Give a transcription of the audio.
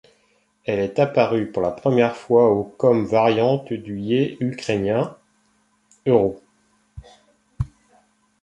Elle est apparue pour la première fois au comme variante du ye ukrainien, є.